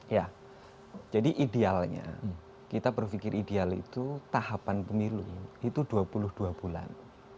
ya jadi idealnya kita berpikir ideal itu tahapan pemilu itu dua puluh dua bulan